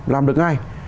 làm được ngay